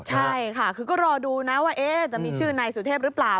ใช่ค่ะคือก็รอดูนะว่าจะมีชื่อนายสุเทพหรือเปล่า